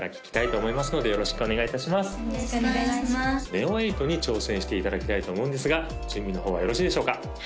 ＮＥＯ８に挑戦していただきたいと思うんですが準備の方はよろしいでしょうか？